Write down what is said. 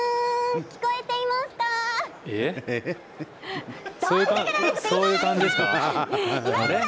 聞こえていますか？